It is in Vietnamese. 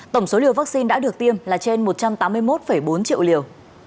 tổng số liều vaccine đã được tiêm là trên một trăm tám mươi một bốn triệu liều